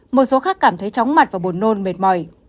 một số khác cảm thấy chóng mặt và buồn nôn mệt mỏi